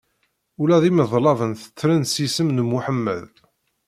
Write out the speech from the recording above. Ula d imeḍlaben tettren s yisem n Muḥemmed.